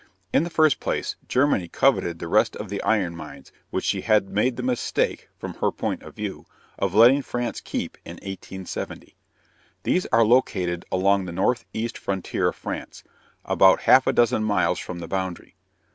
In the first place, Germany coveted the rest of the iron mines which she had made the mistake (from her point of view) of letting France keep in 1870. These are located along the northeast frontier of France, about half a dozen miles from the boundary.